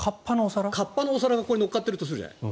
河童のお皿がここに乗っかってるとするじゃない。